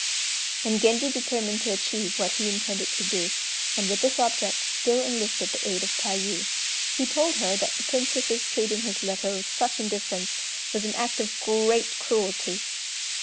And Genji determined to achieve what he intended to do, and with this object still enlisted the aid of Tayû. He told her that the Princess's treating his letter with such indifference was an act of great cruelty.